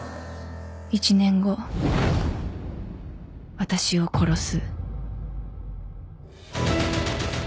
１年後私を殺す